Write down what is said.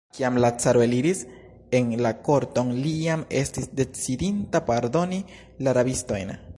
Kiam la caro eliris en la korton, li jam estis decidinta pardoni la rabistojn.